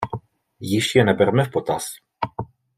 Již je nebereme v potaz.